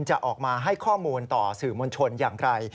จะออกมาให้ข้อมูลต่อสื่อมวลชนอย่างไร